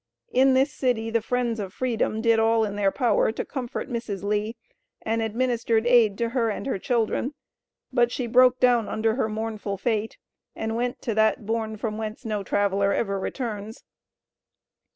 In this city the friends of Freedom did all in their power to comfort Mrs. Lee, and administered aid to her and her children; but she broke down under her mournful fate, and went to that bourne from whence no traveler ever returns.